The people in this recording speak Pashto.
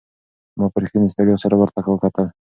ما په رښتینې ستړیا سره ورته وکتل.